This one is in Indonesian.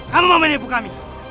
kamu mau menipu kami